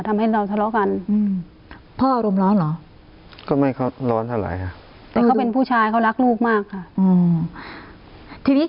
ทำให้เราทะเลาะกัน